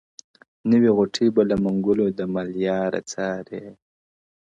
نوي غوټۍ به له منګولو د ملیاره څارې -